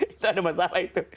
itu ada masalah itu